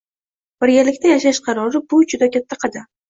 Birgalikda yashash qarori – bu juda katta qadam.